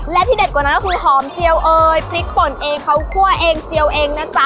และที่เด็ดกว่านั้นก็คือหอมเจียวเอยพริกป่นเองเขาคั่วเองเจียวเองนะจ๊ะ